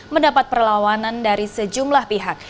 mendapat perlawanan dari sejumlah pihak